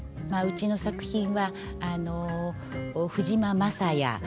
まあうちの作品は藤間万三哉